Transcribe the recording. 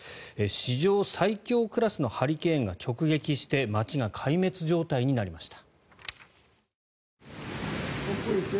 史上最強クラスのハリケーンが直撃して街が壊滅状態になりました。